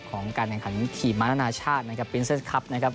ของการแข่งขันขี่ม้านานาชาตินะครับปรินเซสคลับนะครับ